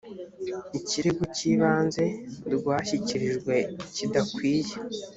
ikirego cy ibanze rwashyikirijwe kidakwiye